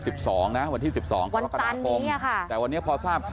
มันไปทั่วประเทศไปหมดแล้วไปใช่มันไปเยอะไปหมดแล้วอืม